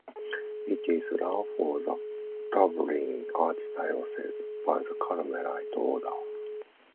It is run for the Dublin Archdiocese by the Carmelite Order.